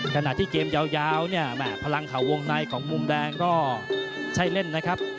ขณะที่เกมยาวเนี่ยแหม่พลังข่าววงในของมุมแดงก็ใช่เล่นนะครับ